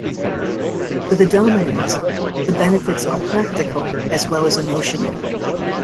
For the dominant, the benefits are practical as well as emotional.